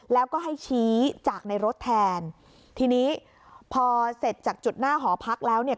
แล้วก็ให้ชี้จากในรถแทนทีนี้พอเสร็จจากจุดหน้าหอพักแล้วเนี่ย